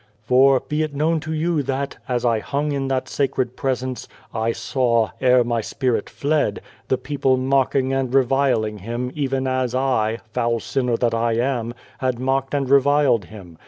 " For, be it known to you that, as I hung in God and the Ant that Sacred Presence, I saw, ere my spirit fled, the people mocking and reviling Him, even as I foul sinner that I am had mocked and reviled Him.